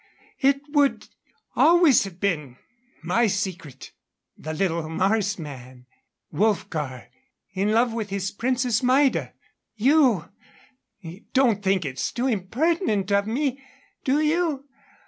It would always have been my secret the little Mars man Wolfgar in love with his Princess Maida. You don't think it too impertinent of me do you?